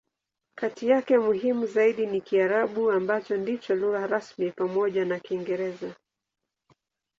Kati yake, muhimu zaidi ni Kiarabu, ambacho ndicho lugha rasmi pamoja na Kiingereza.